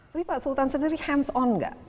tapi pak sultan sendiri hands on nggak